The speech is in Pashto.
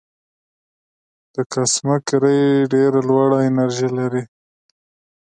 د کاسمک رې ډېره لوړه انرژي لري.